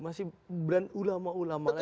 masih ulama ulama lain